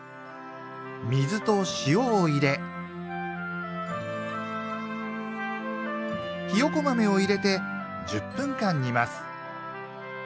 水と塩を入れひよこ豆を入れて１０分間煮ます。